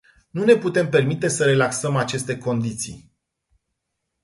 Nu ne putem permite să relaxăm aceste condiții.